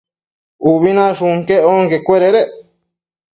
Ubi nashun quec onquecuededec